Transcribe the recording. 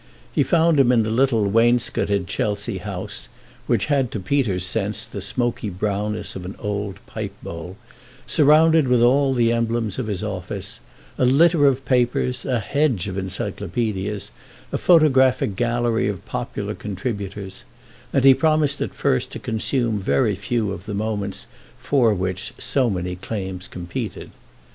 He found him in the little wainscoted Chelsea house, which had to Peter's sense the smoky brownness of an old pipebowl, surrounded with all the emblems of his office—a litter of papers, a hedge of encyclopædias, a photographic gallery of popular contributors—and he promised at first to consume very few of the moments for which so many claims competed.